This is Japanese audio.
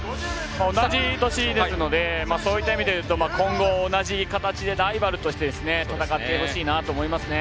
同い年ですのでそういった意味では今後同じ形でライバルとして戦ってほしいと思いますね。